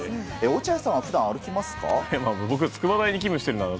落合さんは普段歩きますが？